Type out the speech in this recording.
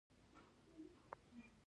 د نیالګي تنه باید په څه شي وپوښم؟